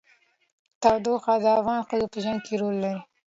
تودوخه د افغان ښځو په ژوند کې رول لري.